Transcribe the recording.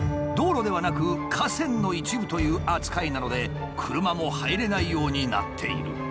道路ではなく河川の一部という扱いなので車も入れないようになっている。